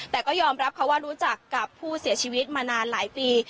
แต่ก็ยอมรับเขาว่ารู้จักกับผู้เสียชีวิตมานานหลายปี